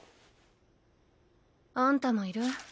あんたもいる？